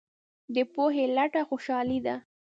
د پوهې لټه خوشحالي ده.